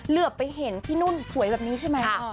เหลือไปเห็นพี่นุ่นสวยแบบนี้ใช่ไหม